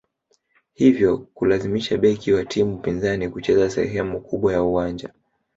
hivyo kulazimisha beki wa timu pinzani kucheza sehemu kubwa ya uwanja